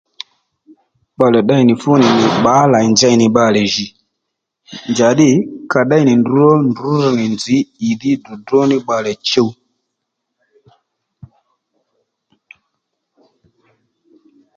Bbalè ddéynì fú ni nì bbǎlà ì nì njěy nì bbalè jì njàddî ka ddéy nì ndrǔ ró nì ndrǔ rr nì nzǐ ìdhí ddròddró ní bbalè chuw